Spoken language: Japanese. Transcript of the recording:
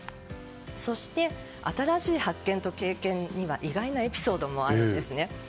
そして新しい発見と経験には意外なエピソードもあるんですね。